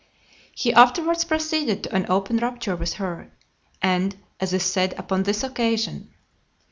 LI. He afterwards proceeded to an open rupture with her, and, as is said, upon this occasion.